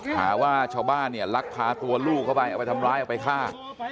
หาว่าชาวบ้านเนี่ยลักพาตัวลูกเข้าไปเอาไปทำร้ายเอาไปฆ่า